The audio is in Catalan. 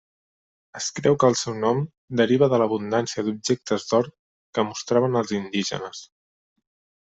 Es creu que el seu nom deriva de l'abundància d'objectes d'or que mostraven els indígenes.